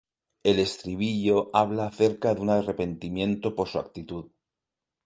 El estribillo habla acerca de un arrepentimiento por su actitud.